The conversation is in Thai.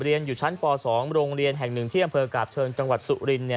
เรียนอยู่ชั้นป๒โรงเรียนแห่งหนึ่งที่อำเภอกาบเชิงจังหวัดสุริน